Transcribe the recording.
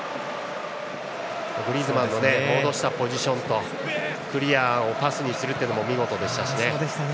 グリーズマンの戻したポジションとクリアをパスにするというのも見事でしたしね。